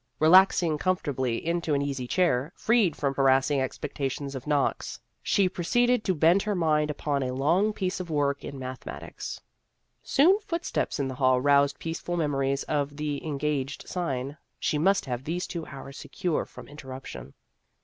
Relaxing com fortably into an easy chair, freed from harassing expectation of knocks, she pro ceeded to bend her mind upon a long piece of work in mathematics. Soon foot steps in the hall roused peaceful memo ries of the " Engaged " sign ; she must have these two hours secure from inter ruption.